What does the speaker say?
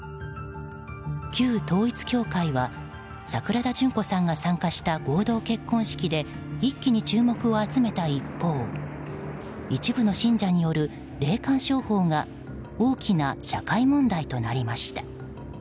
旧統一教会は桜田淳子さんが参加した合同結婚式で一気に注目を集めた一方一部の信者による霊感商法が大きな社会問題となりました。